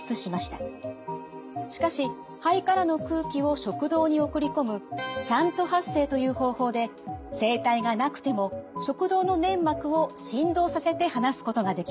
しかし肺からの空気を食道に送り込むシャント発声という方法で声帯がなくても食道の粘膜を振動させて話すことができます。